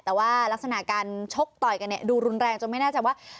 แต่ว่ารักษณะการชกต่อยกันเนี่ยดูรุนแรงจนไม่แน่ใจว่า